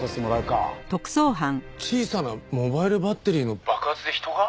えっ小さなモバイルバッテリーの爆発で人が？